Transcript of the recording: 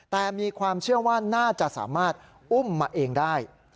แต่มีความเชื่อว่าน่าจะสามารถอุ้มมาเองได้